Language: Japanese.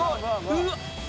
うわっ！